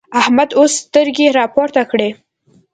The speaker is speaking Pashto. احمد اوس سترګې راپورته کړې.